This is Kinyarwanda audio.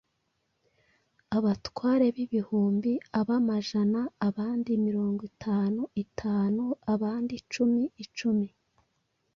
abatware b’ibihumbi, ab’amajana, abandi mirongo itanu itanu, abandi icumi icumi.”